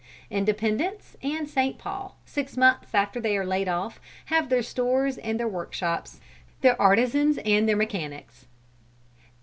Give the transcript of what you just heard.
Independence and Saint Paul, six months after they are laid off, have their stores and their workshops, their artisans and their mechanics.